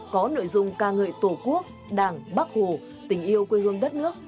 có nội dung ca ngợi tổ quốc đảng bác hồ tình yêu quê hương đất nước